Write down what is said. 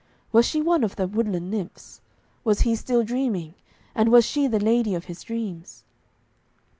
Was she one of the woodland nymphs? Was he still dreaming, and was she the lady of his dreams?